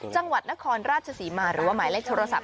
จังหวัดนครราชศรีมาหรือว่าหมายเลขโทรศัพ